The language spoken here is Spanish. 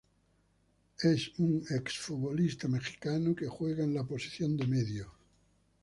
Es un exfutbolista mexicano que jugaba en la posición de medio.